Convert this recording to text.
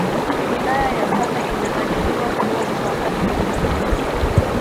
Wilaya ya Same inakadiriwa kuwa na wakazi wengi sana